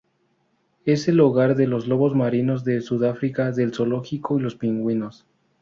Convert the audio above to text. Es el hogar de los lobos marinos de Sudáfrica del zoológico y los pingüinos.